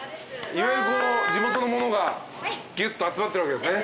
色々地元のものがギュッと集まってるわけですね。